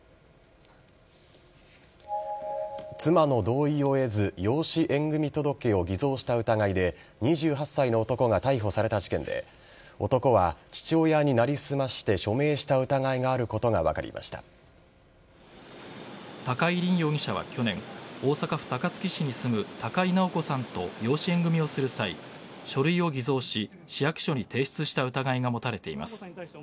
妻の同意を得ず養子縁組届を偽造した疑いで２８歳の男が逮捕された事件で男は父親に成り済まして署名した疑いがあることが高井凜容疑者は去年大阪府高槻市に住む高井直子さんと養子縁組をする際書類を偽造し、市役所に提出した疑いが持たれています。